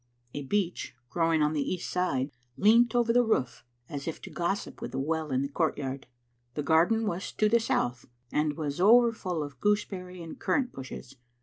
A beech, growing on the east side, leant over the roof as if to gossip with the well in the courtyard. The garden was to the south, and was over full of gooseberry and currant bushes.